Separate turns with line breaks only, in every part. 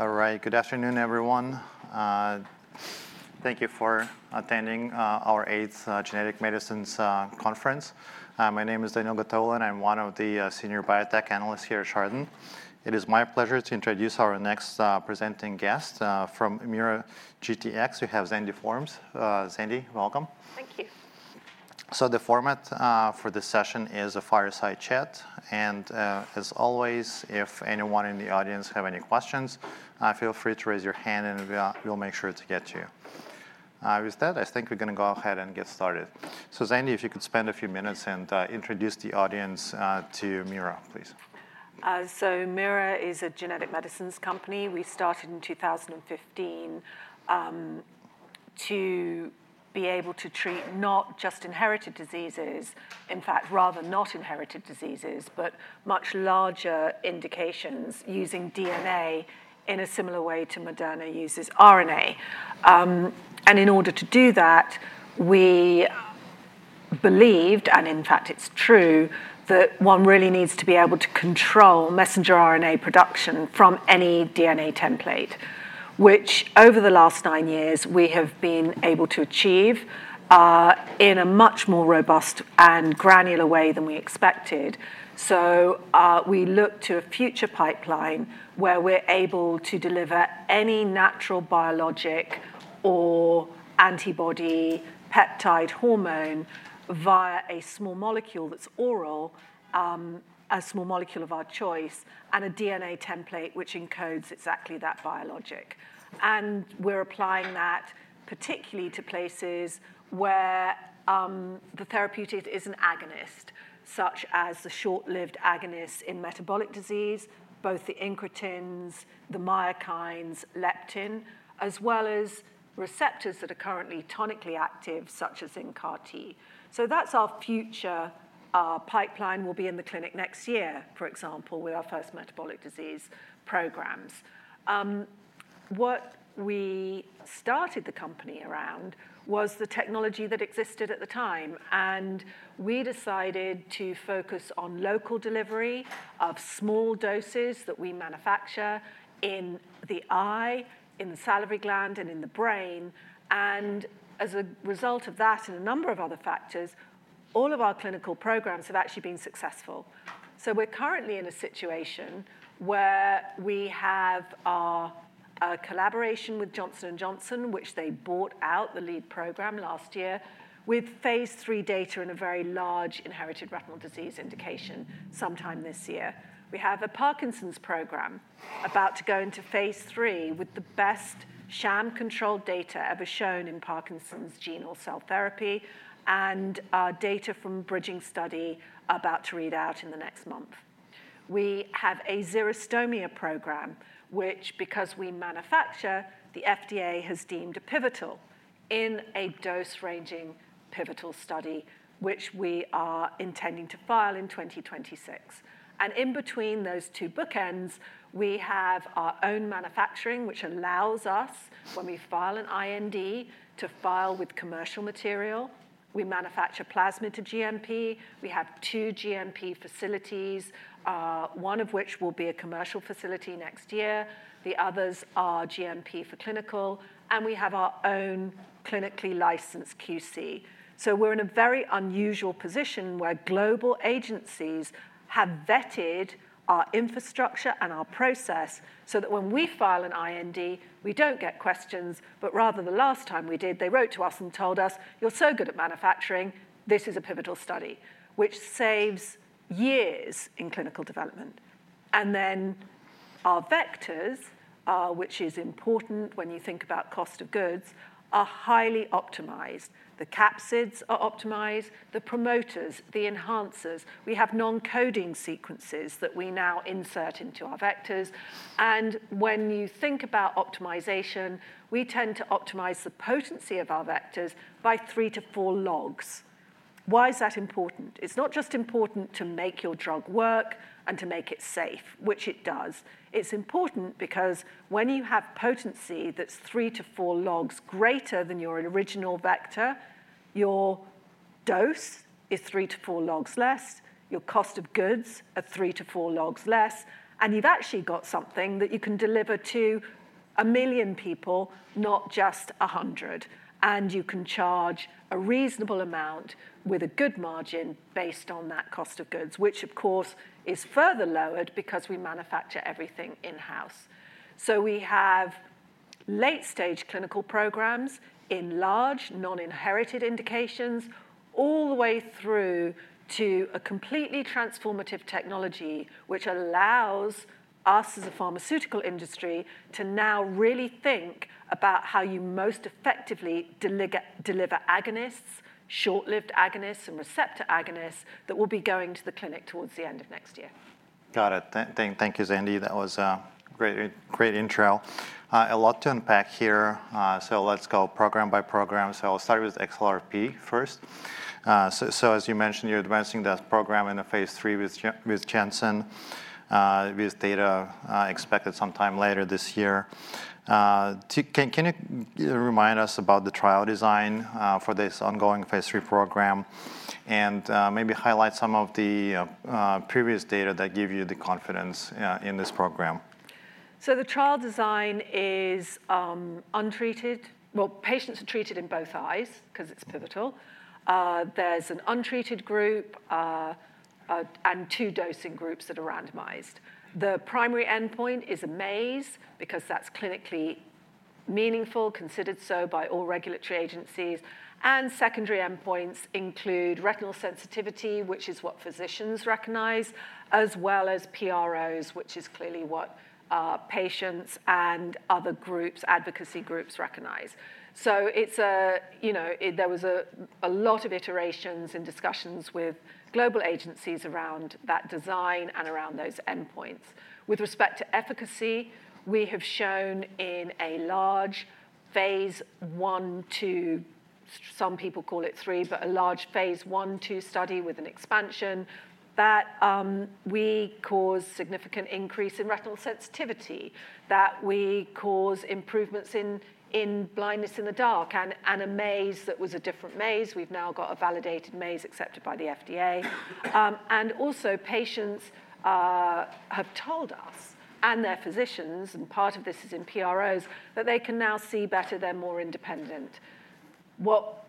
All right. Good afternoon, everyone. Thank you for attending our eighth Genetic Medicines Conference. My name is Daniil Gataulin. I'm one of the senior biotech analysts here at Chardan. It is my pleasure to introduce our next presenting guest from MeiraGTx. We have Zandy Forbes. Zandy, welcome.
Thank you.
So the format for this session is a fireside chat, and, as always, if anyone in the audience have any questions, feel free to raise your hand, and, we'll make sure to get to you. With that, I think we're gonna go ahead and get started. So Zandy, if you could spend a few minutes and, introduce the audience to Meira, please.
MeiraGTx is a genetic medicines company. We started in 2015, to be able to treat not just inherited diseases, in fact, rather not inherited diseases, but much larger indications using DNA in a similar way to Moderna uses RNA. In order to do that, we believed, and in fact, it's true, that one really needs to be able to control messenger RNA production from any DNA template, which over the last nine years, we have been able to achieve in a much more robust and granular way than we expected. We look to a future pipeline where we're able to deliver any natural biologic or antibody peptide hormone via a small molecule that's oral, a small molecule of our choice, and a DNA template, which encodes exactly that biologic. And we're applying that particularly to places where the therapeutic is an agonist, such as the short-lived agonist in metabolic disease, both the incretins, the myokines, leptin, as well as receptors that are currently tonically active, such as in CAR T. So that's our future. Our pipeline will be in the clinic next year, for example, with our first metabolic disease programs. What we started the company around was the technology that existed at the time, and we decided to focus on local delivery of small doses that we manufacture in the eye, in the salivary gland, and in the brain. And as a result of that, and a number of other factors, all of our clinical programs have actually been successful. So we're currently in a situation where we have our collaboration with Johnson & Johnson, which they bought out the lead program last year, with Phase III data in a very large inherited retinal disease indication sometime this year. We have a Parkinson's program about to go into Phase III, with the best sham-controlled data ever shown in Parkinson's gene or cell therapy, and our data from bridging study about to read out in the next month. We have a xerostomia program, which, because we manufacture, the FDA has deemed pivotal in a dose-ranging pivotal study, which we are intending to file in 2026. And in between those two bookends, we have our own manufacturing, which allows us, when we file an IND, to file with commercial material. We manufacture plasmid to GMP. We have two GMP facilities, one of which will be a commercial facility next year. The others are GMP for clinical, and we have our own clinically licensed QC. We're in a very unusual position where global agencies have vetted our infrastructure and our process so that when we file an IND, we don't get questions, but rather the last time we did, they wrote to us and told us, "You're so good at manufacturing, this is a pivotal study," which saves years in clinical development. Our vectors, which is important when you think about cost of goods, are highly optimized. The capsids are optimized, the promoters, the enhancers. We have non-coding sequences that we now insert into our vectors. When you think about optimization, we tend to optimize the potency of our vectors by three to four logs. Why is that important? It's not just important to make your drug work and to make it safe, which it does. It's important because when you have potency that's three to four logs greater than your original vector, your dose is three to four logs less, your cost of goods are three to four logs less, and you've actually got something that you can deliver to a million people, not just a hundred, and you can charge a reasonable amount with a good margin based on that cost of goods, which of course is further lowered because we manufacture everything in-house. So we have late-stage clinical programs in large, non-inherited indications, all the way through to a completely transformative technology, which allows us as a pharmaceutical industry, to now really think about how you most effectively deliver agonists, short-lived agonists, and receptor agonists, that will be going to the clinic towards the end of next year.
Got it. Thank you, Zandy. That was a great, great intro. A lot to unpack here, so let's go program by program. So I'll start with XLRP first. As you mentioned, you're advancing that program into Phase III with Janssen, with data expected sometime later this year. Can you remind us about the trial design for this ongoing Phase III program, and maybe highlight some of the previous data that give you the confidence in this program?
The trial design is untreated. Well, patients are treated in both eyes, 'cause it's pivotal. There's an untreated group, and two dosing groups that are randomized. The primary endpoint is BCVA, because that's clinically meaningful, considered so by all regulatory agencies, and secondary endpoints include retinal sensitivity, which is what physicians recognize, as well as PROs, which is clearly what patients and other groups, advocacy groups recognize. So it's, you know, there was a lot of iterations and discussions with global agencies around that design and around those endpoints. With respect to efficacy, we have shown in a large PhaseI, II some people call it 3, but a large Phase I, II study with an expansion, that we cause significant increase in retinal sensitivity, that we cause improvements in blindness in the dark, and a maze that was a different maze. We've now got a validated maze accepted by the FDA. Also, patients have told us and their physicians, and part of this is in PROs, that they can now see better, they're more independent. What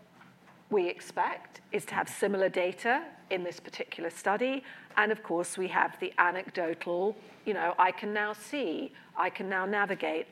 we expect is to have similar data in this particular study, and of course, we have the anecdotal, you know, "I can now see. I can now navigate.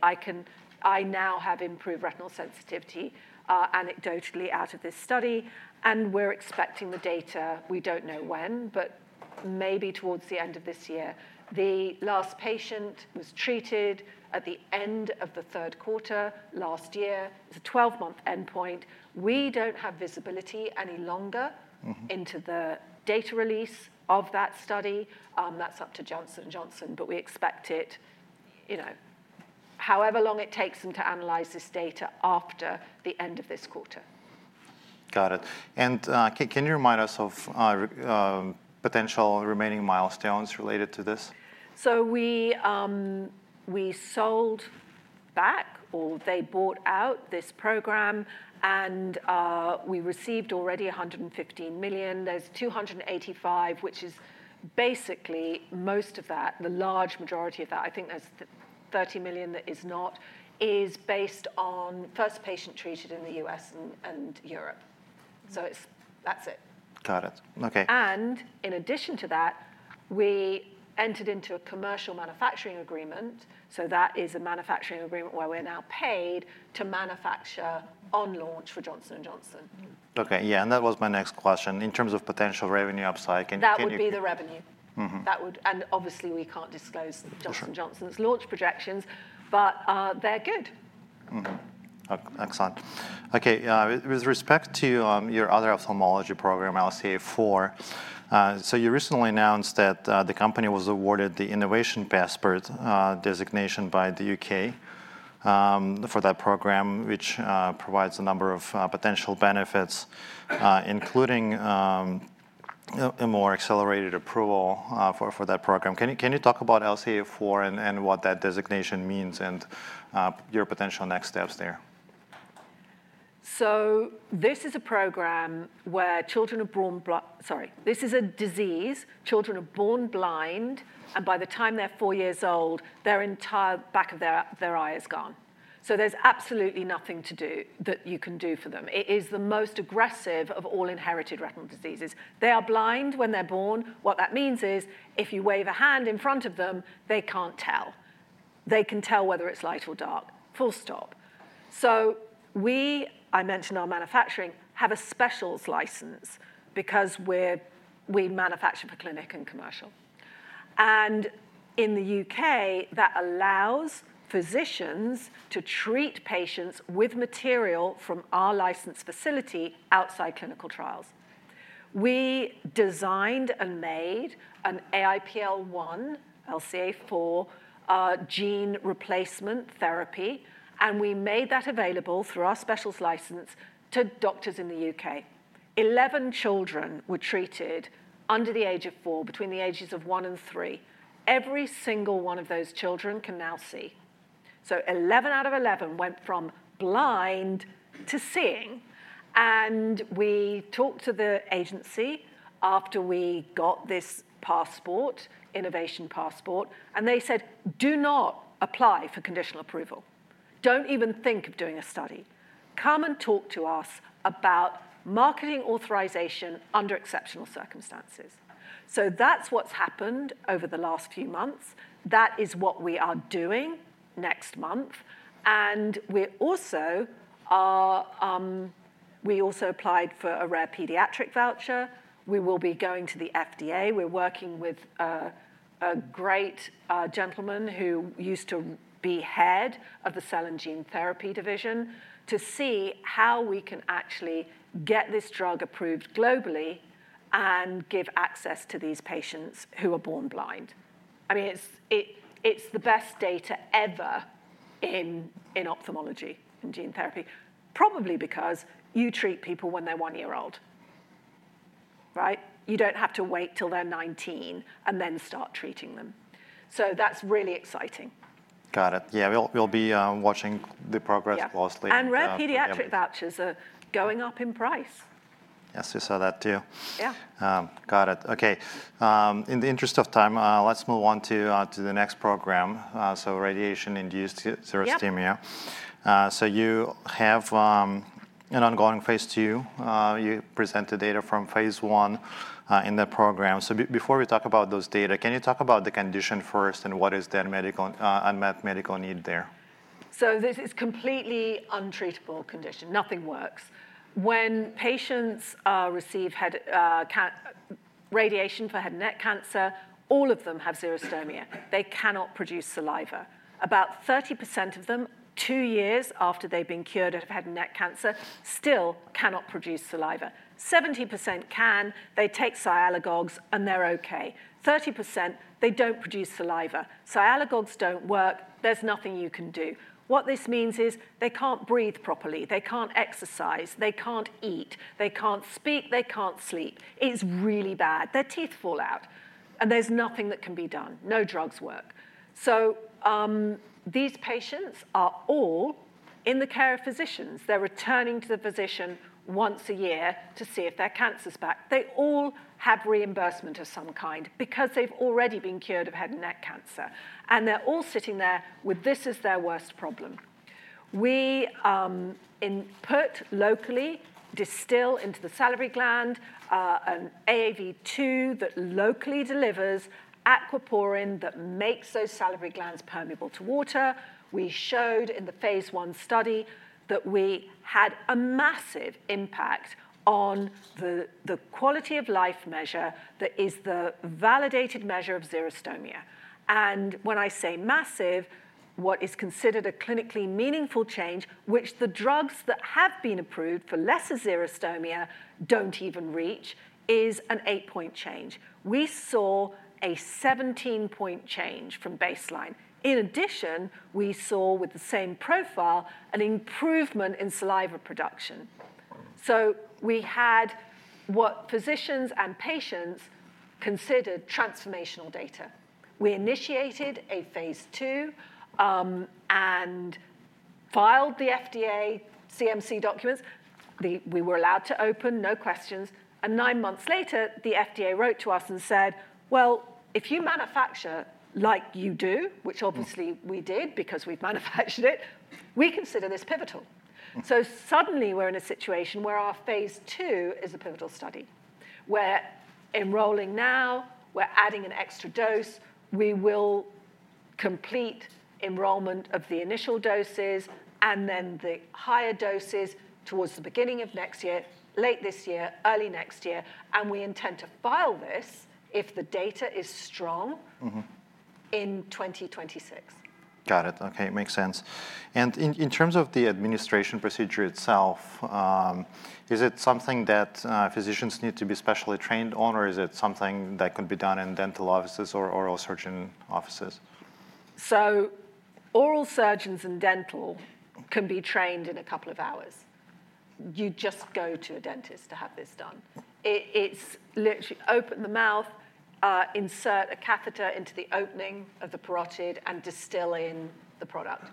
I now have improved retinal sensitivity," anecdotally out of this study, and we're expecting the data. We don't know when, but maybe towards the end of this year. The last patient was treated at the end of the Q3 last year. It's a 12-month endpoint. We don't have visibility any longer-
Mm-hmmI Into the data release of that study. That's up to Johnson & Johnson, but we expect it, you know, however long it takes them to analyze this data after the end of this quarter. Got it. And can you remind us of potential remaining milestones related to this?
So we sold back, or they bought out this program, and we received already $115 million. There's $285, which is basically most of that, the large majority of that. I think there's $30 million that is not, is based on first patient treated in the U.S. and Europe. So it's. That's it.
Got it. Okay.
In addition to that, we entered into a commercial manufacturing agreement, so that is a manufacturing agreement where we're now paid to manufacture on launch for Johnson & Johnson.
Okay, yeah, and that was my next question. In terms of potential revenue upside, can you-
That would be the revenue.
Mm-hmm.
And obviously, we can't disclose-
Sure
Johnson & Johnson's launch projections, but, they're good.
Mm-hmm. Excellent. Okay, with respect to your other ophthalmology program, LCA4, so you recently announced that the company was awarded the Innovation Passport designation by the UK for that program, which provides a number of potential benefits, including a more accelerated approval for that program. Can you talk about LCA4 and what that designation means, and your potential next steps there?
This is a disease where children are born blind, and by the time they're four years old, their entire back of their eye is gone. So there's absolutely nothing to do that you can do for them. It is the most aggressive of all inherited retinal diseases. They are blind when they're born. What that means is, if you wave a hand in front of them, they can't tell. They can tell whether it's light or dark, full stop. So we, I mentioned our manufacturing, have a specials license because we manufacture for clinic and commercial. And in the UK, that allows physicians to treat patients with material from our licensed facility outside clinical trials. We designed and made an AIPL1, LCA4, gene replacement therapy, and we made that available through our specials license to doctors in the UK. Eleven children were treated under the age of four, between the ages of one and three. Every single one of those children can now see. So 11 out of 11 went from blind to seeing, and we talked to the agency after we got this passport, Innovation Passport, and they said, "Do not apply for conditional approval. Don't even think of doing a study. Come and talk to us about marketing authorization under exceptional circumstances." So that's what's happened over the last few months. That is what we are doing next month, and we also applied for a rare pediatric voucher. We will be going to the FDA. We're working with a great gentleman who used to be head of the Cell and Gene Therapy Division, to see how we can actually get this drug approved globally and give access to these patients who are born blind. I mean, it's the best data ever in ophthalmology, in gene therapy, probably because you treat people when they're one year old. Right? You don't have to wait till they're 19 and then start treating them. So that's really exciting.
Got it. Yeah, we'll be watching the progress closely-
Yeah
And, yeah.
Rare pediatric vouchers are going up in price.
Yes, we saw that, too.
Yeah.
Got it. Okay, in the interest of time, let's move on to the next program, so radiation-induced xerostomia.
Yeah.
So you have an ongoing Phase II. You presented data from Phase I in the program. So before we talk about those data, can you talk about the condition first, and what is the medical unmet medical need there?
So this is completely untreatable condition. Nothing works. When patients receive head and neck radiation for head and neck cancer, all of them have xerostomia. They cannot produce saliva. About 30% of them, two years after they've been cured of head and neck cancer, still cannot produce saliva. 70% can, they take sialagogues, and they're okay. 30%, they don't produce saliva. Sialagogues don't work, there's nothing you can do. What this means is they can't breathe properly, they can't exercise, they can't eat, they can't speak, they can't sleep. It is really bad. Their teeth fall out, and there's nothing that can be done. No drugs work. So, these patients are all in the care of physicians. They're returning to the physician once a year to see if their cancer's back. They all have reimbursement of some kind because they've already been cured of head and neck cancer, and they're all sitting there with this as their worst problem. We input locally, distill into the salivary gland, an AAV2 that locally delivers aquaporin that makes those salivary glands permeable to water. We showed in the phase 1 study that we had a massive impact on the quality of life measure that is the validated measure of xerostomia. And when I say massive, what is considered a clinically meaningful change, which the drugs that have been approved for lesser xerostomia don't even reach, is an eight-point change. We saw a 17-point change from baseline. In addition, we saw, with the same profile, an improvement in saliva production. We had what physicians and patients considered transformational data. We initiated a Phase 3, and filed the FDA CMC documents. We were allowed to open, no questions, and nine months later, the FDA wrote to us and said, "Well, if you manufacture like you do," which obviously.
Mm
We did because we've manufactured it, "we consider this pivotal.
Mm.
So suddenly, we're in a situation where our Phase II is a pivotal study. We're enrolling now. We're adding an extra dose. We will complete enrollment of the initial doses, and then the higher doses towards the beginning of next year, late this year, early next year, and we intend to file this, if the data is strong.
Mm-hmm
In 2026.
Got it. Okay, makes sense. And in terms of the administration procedure itself, is it something that physicians need to be specially trained on, or is it something that could be done in dental offices or oral surgeon offices?
Oral surgeons and dental can be trained in a couple of hours. You just go to a dentist to have this done. It's literally open the mouth, insert a catheter into the opening of the parotid, and instill in the product.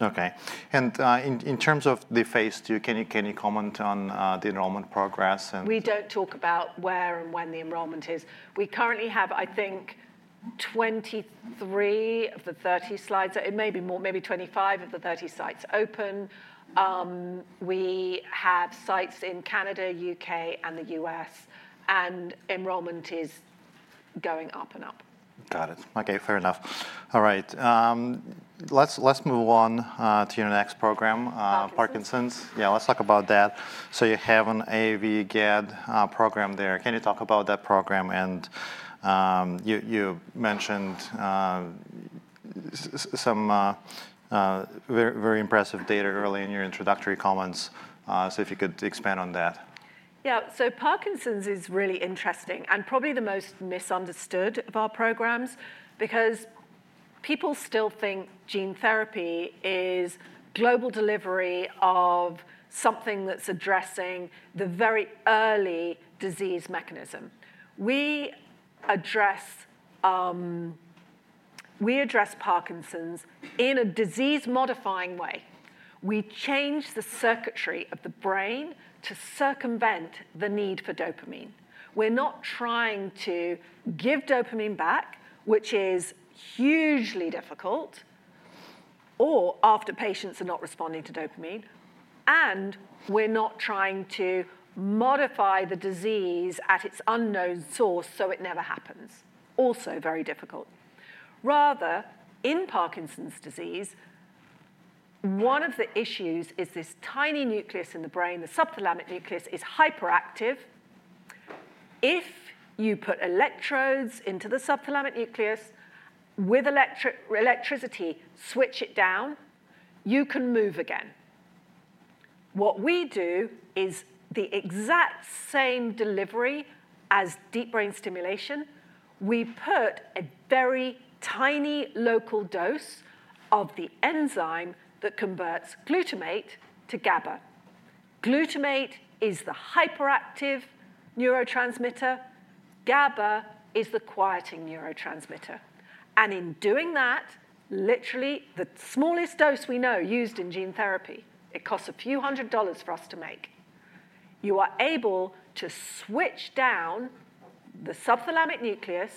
Okay. And, in terms of the phase 11, can you comment on the enrollment progress and-
We don't talk about where and when the enrollment is. We currently have, I think, 23 of the 30 sites. It may be more, maybe 25 of the 30 sites open. We have sites in Canada, U.K., and the U.S., and enrollment is going up and up.
Got it. Okay, fair enough. All right, let's move on to your next program.
Parkinson's .Parkinson's. Yeah, let's talk about that. So you have an AAV-GAD program there. Can you talk about that program? And, you mentioned some very, very impressive data early in your introductory comments, so if you could expand on that. Yeah, so Parkinson's is really interesting and probably the most misunderstood of our programs because people still think gene therapy is global delivery of something that's addressing the very early disease mechanism. We address Parkinson's in a disease-modifying way. We change the circuitry of the brain to circumvent the need for dopamine. We're not trying to give dopamine back, which is hugely difficult, or after patients are not responding to dopamine, and we're not trying to modify the disease at its unknown source so it never happens. Also very difficult. Rather, in Parkinson's disease, one of the issues is this tiny nucleus in the brain, the subthalamic nucleus, is hyperactive. If you put electrodes into the subthalamic nucleus with electricity, switch it down, you can move again. What we do is the exact same delivery-... As deep brain stimulation, we put a very tiny local dose of the enzyme that converts glutamate to GABA. Glutamate is the hyperactive neurotransmitter. GABA is the quieting neurotransmitter. And in doing that, literally the smallest dose we know used in gene therapy, it costs a few hundred dollars for us to make. You are able to switch down the subthalamic nucleus,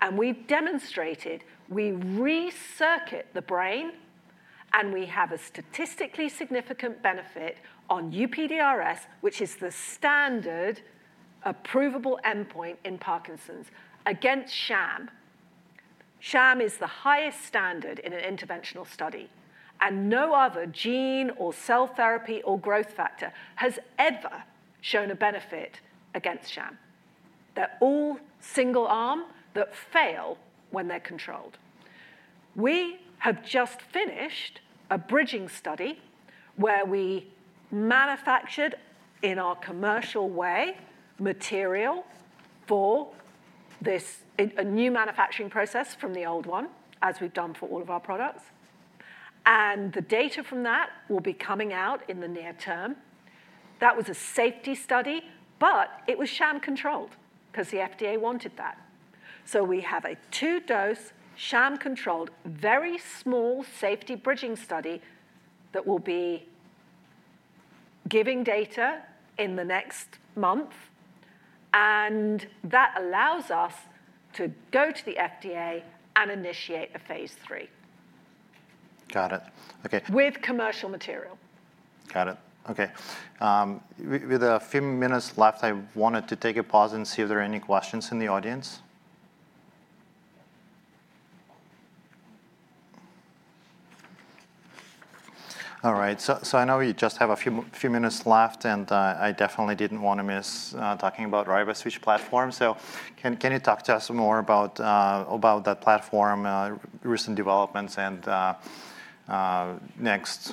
and we've demonstrated we re-circuit the brain, and we have a statistically significant benefit on UPDRS, which is the standard approvable endpoint in Parkinson's, against sham. Sham is the highest standard in an interventional study, and no other gene or cell therapy or growth factor has ever shown a benefit against sham. They're all single arm that fail when they're controlled. We have just finished a bridging study where we manufactured, in our commercial way, material for this, a new manufacturing process from the old one, as we've done for all of our products, and the data from that will be coming out in the near term. That was a safety study, but it was sham-controlled, 'cause the FDA wanted that, so we have a two-dose, sham-controlled, very small safety bridging study that will be giving data in the next month, and that allows us to go to the FDA and initiate a phase III.
Got it. Okay-
With commercial material.
Got it. Okay. With a few minutes left, I wanted to take a pause and see if there are any questions in the audience. All right, so I know we just have a few minutes left, and I definitely didn't wanna miss talking about Riboswitch platform. So can you talk to us more about that platform, recent developments, and next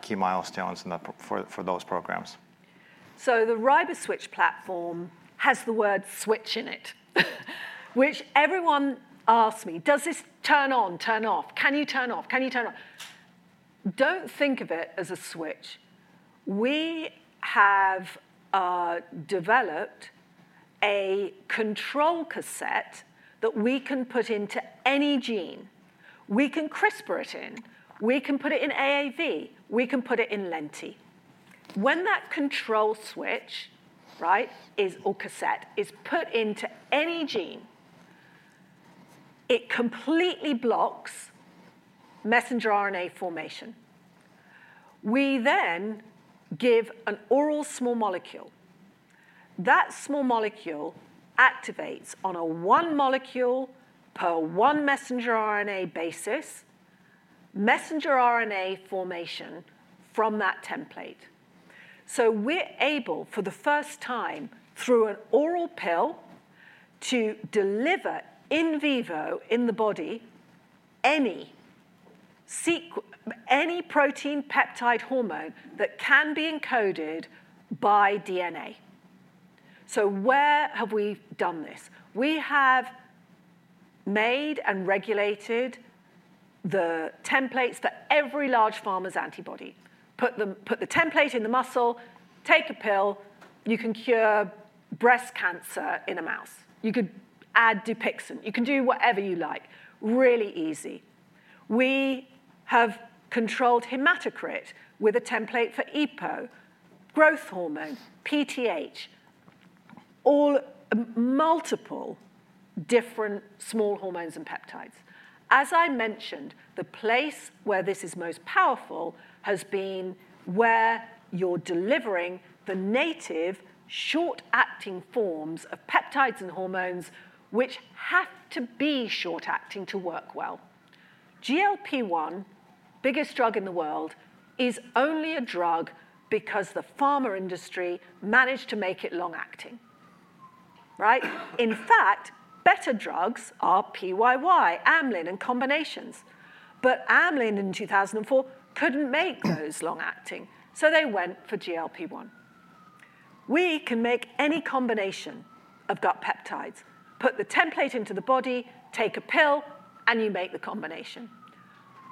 key milestones in that for those programs?
So the Riboswitch platform has the word "switch" in it, which everyone asks me, "Does this turn on, turn off? Can you turn off? Can you turn on?" Don't think of it as a switch. We have developed a control cassette that we can put into any gene. We can CRISPR it in, we can put it in AAV, we can put it in lenti. When that control switch, right, or cassette, is put into any gene, it completely blocks messenger RNA formation. We then give an oral small molecule. That small molecule activates on a one molecule per one messenger RNA basis, messenger RNA formation from that template. So we're able, for the first time, through an oral pill, to deliver in vivo, in the body, any protein peptide hormone that can be encoded by DNA. So where have we done this? We have made and regulated the templates for every large pharma's antibody. Put the template in the muscle, take a pill, you can cure breast cancer in a mouse. You could add Dupixent. You can do whatever you like, really easy. We have controlled hematocrit with a template for EPO, growth hormone, PTH, all multiple different small hormones and peptides. As I mentioned, the place where this is most powerful has been where you're delivering the native short-acting forms of peptides and hormones, which have to be short acting to work well. GLP-1, biggest drug in the world, is only a drug because the pharma industry managed to make it long acting, right? In fact, better drugs are PYY, Amylin, and combinations. But Amylin, in 2004, couldn't make those long acting, so they went for GLP-1. We can make any combination of gut peptides, put the template into the body, take a pill, and you make the combination.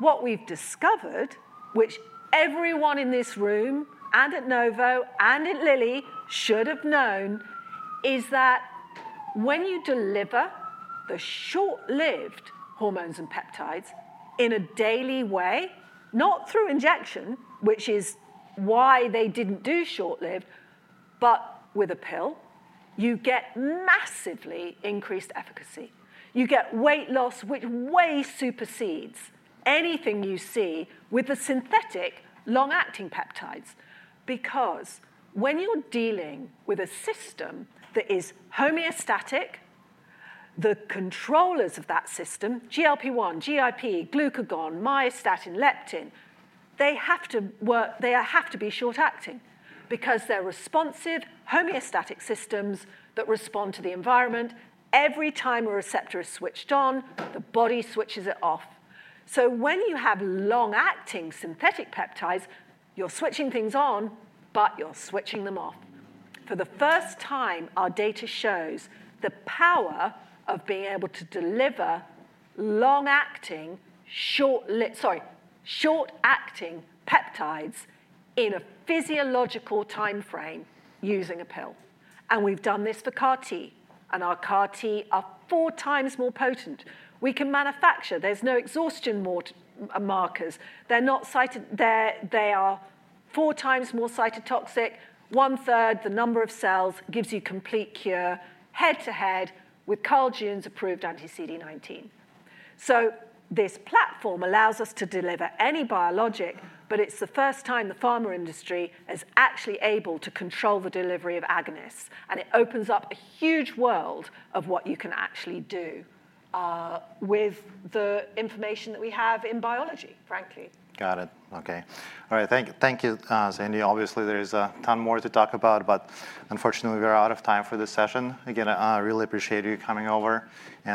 What we've discovered, which everyone in this room, and at Novo, and at Lilly should have known, is that when you deliver the short-lived hormones and peptides in a daily way, not through injection, which is why they didn't do short-lived, but with a pill, you get massively increased efficacy. You get weight loss, which way supersedes anything you see with the synthetic long-acting peptides. Because when you're dealing with a system that is homeostatic, the controllers of that system, GLP-1, GIP, glucagon, myostatin, leptin, they have to be short acting, because they're responsive homeostatic systems that respond to the environment. Every time a receptor is switched on, the body switches it off. So when you have long-acting synthetic peptides, you're switching things on, but you're switching them off. For the first time, our data shows the power of being able to deliver long-acting, short-lived. sorry, short-acting peptides in a physiological timeframe using a pill. And we've done this for CAR T, and our CAR T are four times more potent. We can manufacture. There's no exhaustion more, markers. They're not cytot- they are four times more cytotoxic, one-third the number of cells, gives you complete cure, head-to-head with Carl June's approved anti-CD19. So this platform allows us to deliver any biologic, but it's the first time the pharma industry is actually able to control the delivery of agonists, and it opens up a huge world of what you can actually do, with the information that we have in biology, frankly.
Got it. Okay. All right, thank you, Zandy. Obviously, there is a ton more to talk about, but unfortunately, we're out of time for this session. Again, I really appreciate you coming over and.